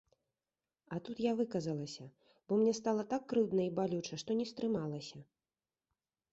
А тут я выказалася, бо мне стала так крыўдна і балюча, што не стрымалася.